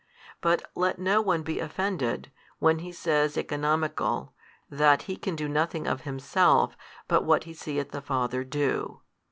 But let no one be offended, when He says economical, that He can do nothing of Himself but what He seeth the Father do.